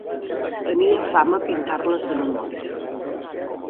Tenia fama pintar-les de memòria.